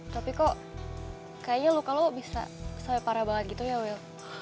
tapi kok kayaknya luka lo bisa sampai parah banget gitu ya wil